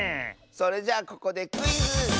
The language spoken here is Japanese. それじゃここでクイズ！